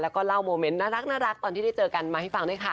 แล้วก็เล่าโมเมนต์น่ารักตอนที่ได้เจอกันมาให้ฟังด้วยค่ะ